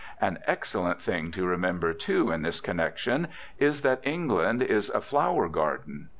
An excellent thing to remember, too, in this connection, is that England is a flower garden.